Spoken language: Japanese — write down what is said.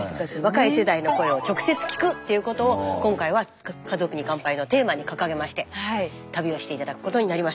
若い世代の声を直接聴くっていうことを今回は「家族に乾杯」のテーマに掲げまして旅をして頂くことになりました。